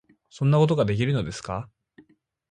「そんなことができるのですか？」